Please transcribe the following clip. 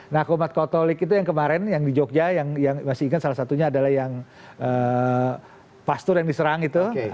nah komat katolik itu yang kemarin yang di jogja yang masih ingat salah satunya adalah yang pastur yang diserang itu